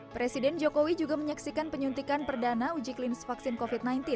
presiden jokowi juga menyaksikan penyuntikan perdana uji klinis vaksin covid sembilan belas